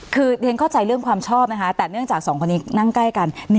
คือเรียนเข้าใจเรื่องความชอบนะคะแต่เนื่องจาก๒คนนี้นั่งใกล้กัน